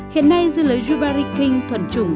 hiện nay dưa lưới yubari king thuần trùng